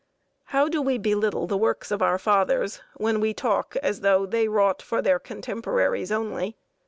How do we belittle the works of our Fathers when we talk as though they wrought for their contemporaries only!